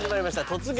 「突撃！